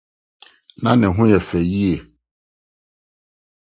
Na ne ho yɛ fɛ yiye.